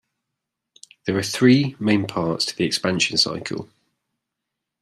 There are three main parts to the expansion cycle.